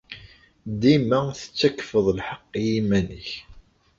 Dima tettakfeḍ lḥeqq i yiman-nnem.